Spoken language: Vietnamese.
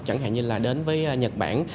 chẳng hạn như là đến với nhật bản